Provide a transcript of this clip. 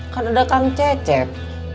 kan ada kang cecep